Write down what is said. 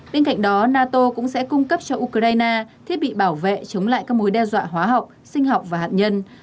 bên cạnh đó nato cũng sẽ cung cấp cho ukraine thiết bị bảo vệ chống lại các mối đe dọa hóa học sinh học và hạt nhân